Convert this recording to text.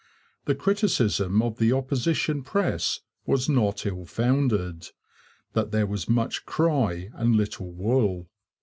The criticism of the opposition press was not ill founded that there was much cry and little wool.